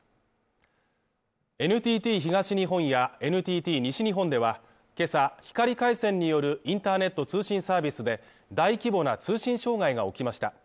ＮＴＴ東日本やＮＴＴ西日本では、けさ、光回線によるインターネット通信サービスで大規模な通信障害が起きました。